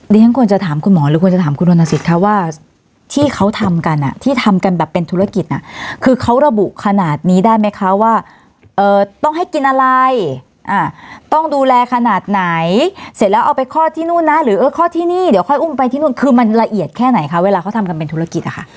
ฉันควรจะถามคุณหมอหรือควรจะถามคุณธนสิทธิ์ว่าที่เขาทำกันอ่ะที่ทำกันแบบเป็นธุรกิจน่ะคือเขาระบุขนาดนี้ได้ไหมคะว่าต้องให้กินอะไรต้องดูแลขนาดไหนเสร็จแล้วเอาไปคลอดที่นู่นนะหรือเออคลอดที่นี่เดี๋ยวค่อยอุ้มไปที่นู่นคือมันละเอียดแค่ไหนคะเวลาเขาทำกันเป็นธุรกิจอะค่ะ